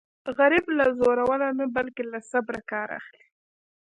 غریب له زوره نه بلکې له صبره کار اخلي